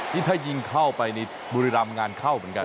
นี่ถ้ายิงเข้าไปนี่บุรีรำงานเข้าเหมือนกัน